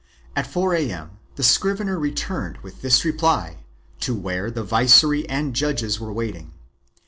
At 4 A.M. the scrivener returned with this reply to where the viceroy and judges were waiting.